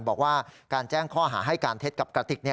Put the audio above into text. บอกว่าการแจ้งข้อหาให้การเท็จกับกระติก